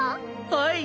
はい！